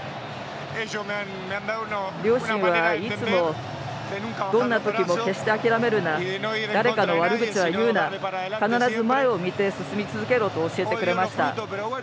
両親はいつもどんな時も決して諦めるな誰かの悪口は言うな必ず前を見て進み続けろと教えてくれました。